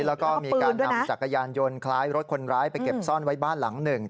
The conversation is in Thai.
แล้วก็มีการนำจักรยานยนต์คล้ายรถคนร้ายไปเก็บซ่อนไว้บ้านหลังหนึ่ง